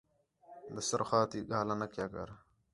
دستر خواں تی ڳاہلا نہ کرو